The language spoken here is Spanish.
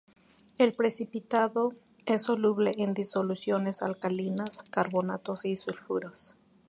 El precipitado es soluble en disoluciones alcalinas, carbonatos y sulfuros.